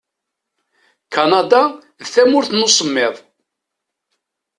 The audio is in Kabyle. Kanada d tamurt n usemmiḍ.